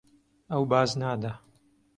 Ew baz nade.